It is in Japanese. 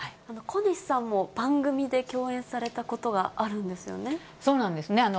小西さんも番組で共演されたそうなんですね。